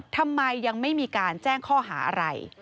ทำไมยังไม่มีการแจ้งข้อหาอะไร